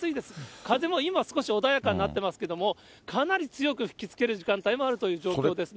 風も今、少し穏やかになってますけれども、かなり強く吹きつける時間帯もあるという状況ですね。